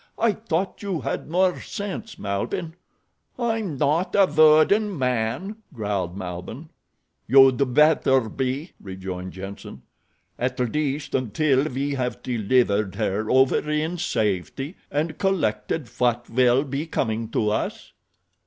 I thought you had more sense, Malbihn." "I'm not a wooden man," growled Malbihn. "You'd better be," rejoined Jenssen, "at least until we have delivered her over in safety and collected what will be coming to us."